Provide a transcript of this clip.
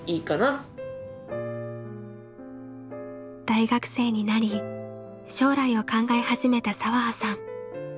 大学生になり将来を考え始めた彩葉さん。